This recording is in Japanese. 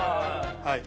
はい。